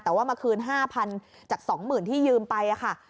แต่ว่ามาคืน๕๐๐๐จาก๒๐๐๐ที่ยืมไปค่ะ